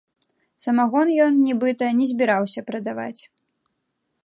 Самагон ён, нібыта, не збіраўся прадаваць.